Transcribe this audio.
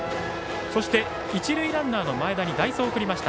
そして一塁ランナーの前田に代走を送りました。